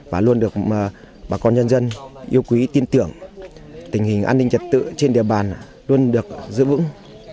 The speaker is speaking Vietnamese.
và luôn được bà con nhân dân yêu quý tin tưởng tình hình an ninh trật tự trên địa bàn luôn được giữ vững